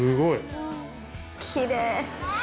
きれい！